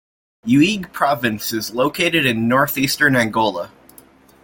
Uige Province is located in northeastern Angola.